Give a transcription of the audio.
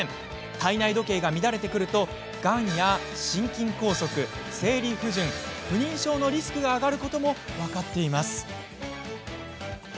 体内時計が乱れてくるとがんや心筋梗塞、生理不順不妊症のリスクが上がることも分かっています。